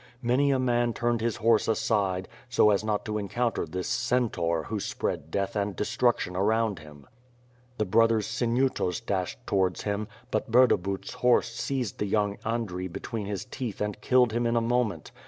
Many a man turned his horse aside, so as not to encounter this centaur who spread death and destruction around him. The brothers Sinyutos dashed towards him, but Burdabut's horse seized the young Audrey between his teeth and killed him in a moment.